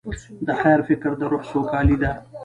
د خیر فکر د روح سوکالي ده.